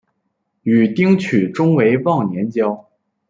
与丁取忠为忘年交。